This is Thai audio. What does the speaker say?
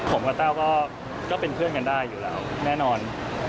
ผมกับแต้วก็เป็นเพื่อนกันได้อยู่แล้วแน่นอน